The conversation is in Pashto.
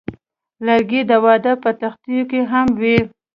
لرګی د واده په تحفو کې هم وي.